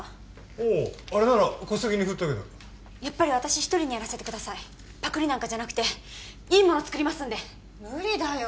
おうあれなら小杉に振ったけどやっぱり私一人にやらせてくださいパクりなんかじゃなくていいもの作りますんで無理だよ